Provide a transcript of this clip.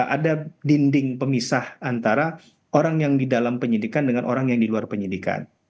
ada dinding pemisah antara orang yang di dalam penyidikan dengan orang yang di luar penyidikan